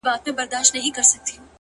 • قدر کېمیا دی په دې دیار کي ,